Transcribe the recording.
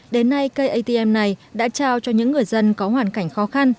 đến nay cây atm này đã trao cho những người dân có hoàn cảnh khó khăn